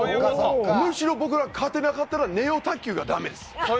むしろ僕が勝てなかったらネオ卓球がダメです！